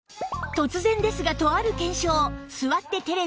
突然ですがとある検証